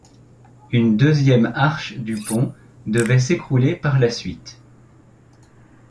Une deuxième arche du pont devait s’écrouler par la suite.